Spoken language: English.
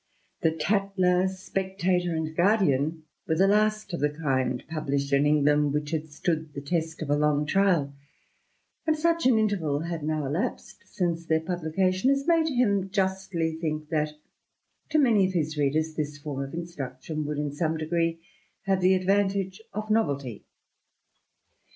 Toiler^ Spectator^ and Guardian were the last of the kind pub* i in England which had stood the test of a long trial ; and such iterval had now elapsed since their publication as made him J think that, to many of his readers, this form of instruction would, me degree, have the advantage of novelty."